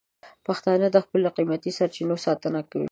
پښتانه د خپلو قیمتي سرچینو ساتنه کوي.